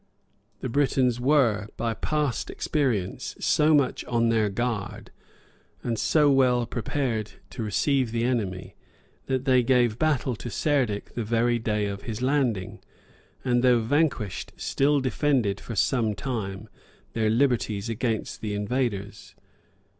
[] The Britons were, by past experience, so much on their guard, and so well prepared to receive the enemy, that they gave battle to Cerdic the very day of his landing; and, though vanquished, still defended, for some time, their liberties against the invaders.